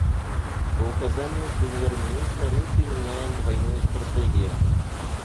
По указанию премьер-министра мы применяем двойную стратегию.